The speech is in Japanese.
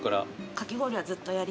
かき氷はずっとやりたくて。